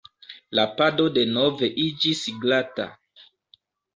La pado denove iĝis glata.